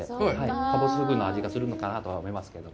かぼすフグの味がするのかなとは思いますけども。